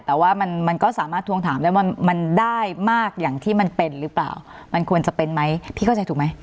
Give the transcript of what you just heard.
แต่ว่ามันมันก็สามารถทวงถามได้ว่ามันได้มากอย่างที่มันเป็นหรือเปล่ามันควรจะเป็นไหมพี่เข้าใจถูกไหม